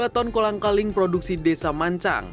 dua puluh ton kolang kaling produksi desa mancang